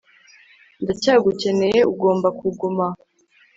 ndacyagukeneye; ugomba kuguma